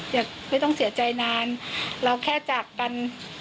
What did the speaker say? ไม่ต้องเสียใจนานเราแค่จากกัน